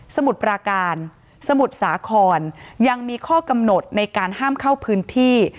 มุดปราการสมุทรสาครยังมีข้อกำหนดในการห้ามเข้าพื้นที่